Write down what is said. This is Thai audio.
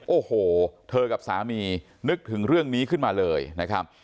โอ้โหเธอกับสามีนึกถึงเรื่องนี้ขึ้นมาเลยนะครับ